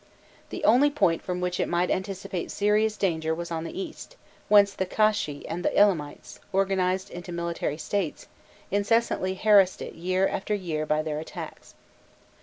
The only point from which it might anticipate serious danger was on the east, whence the Kashshi and the Elamites, organized into military states, incessantly harassed it year after year by their attacks.